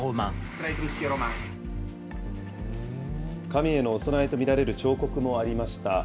神へのお供えと見られる彫刻もありました。